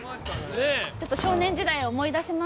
ちょっと少年時代を思い出しましたか？